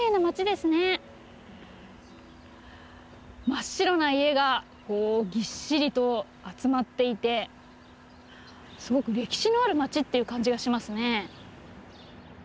真っ白な家がぎっしりと集まっていてすごく歴史のある町っていう感じがしますね。